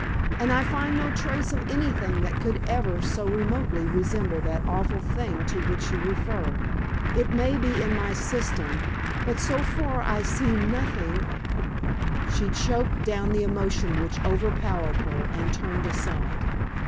And I find no trace of anything that could ever so remotely resemble that awful thing to which you refer. It may be in my system, but so far I see nothing " She choked down the emotion which overpowered her, and turned aside.